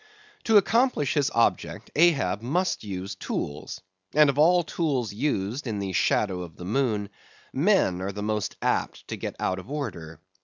To accomplish his object Ahab must use tools; and of all tools used in the shadow of the moon, men are most apt to get out of order.